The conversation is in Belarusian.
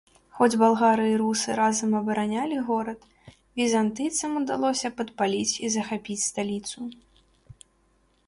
Хоць балгары і русы разам абаранялі горад, візантыйцам удалося падпаліць і захапіць сталіцу.